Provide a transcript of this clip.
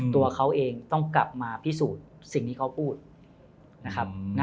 ตัวเขาเองต้องกลับมาพิสูจน์สิ่งที่เขาพูดนะครับ